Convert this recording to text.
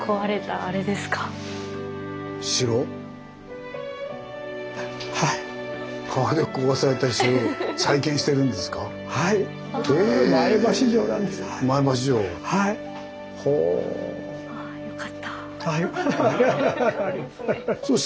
あぁよかった。